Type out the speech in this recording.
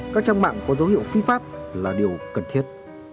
các trang mạng có dấu hiệu phi pháp là điều cần thiết